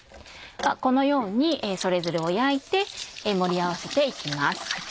このようにそれぞれを焼いて盛り合わせて行きます。